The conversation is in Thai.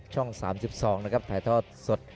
๓๒นะครับถ่ายทอดสด